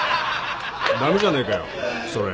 ダメじゃねえかよそれ。